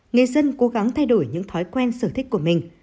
người dân cố gắng thay đổi những thói quen sở thích của mình